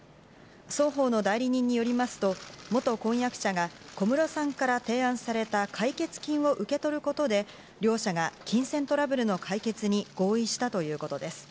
双方の代理人によりますと、元婚約者が小室さんから提案された解決金を受け取ることで、両者が金銭トラブルの解決に合意したということです。